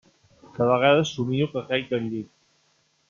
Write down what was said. De vegades somio que caic del llit.